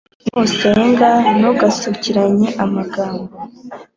nusenga, ntugasukiranye amagambo